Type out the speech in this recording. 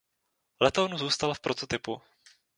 Letoun zůstal v prototypu.